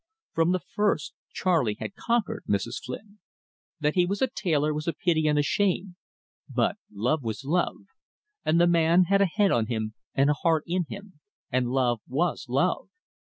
From the first Charley had conquered Mrs. Flynn. That he was a tailor was a pity and a shame, but love was love, and the man had a head on him and a heart in him; and love was love!